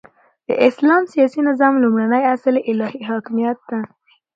د اسلام سیاسی نظام لومړنی اصل الهی حاکمیت دی،